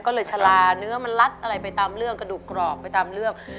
ก็เลยชะลาเนื้อมันลัดอะไรไปตามเรื่องกระดูกกรอบไปตามเรื่อง